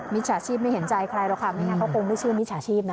จฉาชีพไม่เห็นใจใครหรอกค่ะไม่งั้นเขาคงไม่เชื่อมิจฉาชีพนะ